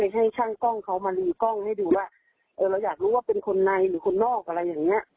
ให้ช่างกล้องเขามารีกล้องให้ดูว่าเออเราอยากรู้ว่าเป็นคนในหรือคนนอกอะไรอย่างเงี้ย